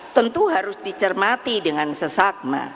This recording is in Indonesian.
tentu harus dicermati dengan sesakma